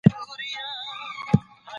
مسلمان هغه دی چې نور ترې په امن وي.